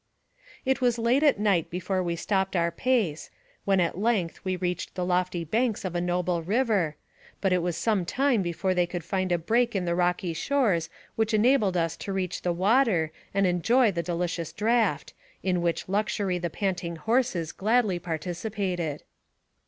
It was late at night before we stopped our pace, when at length we reached the lofty banks of a noble river, but it was some time before they could find a break in the rocky shores which enabled us to reach 100 NARRATIVE OF CAPTIVITY the water and enjoy the delicious draught, in which luxury the panting horses gladly participated.